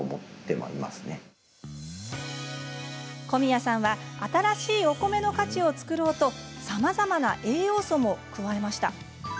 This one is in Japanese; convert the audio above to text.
小宮さんは新しいお米の価値を作ろうとさまざまな栄養素も加えました。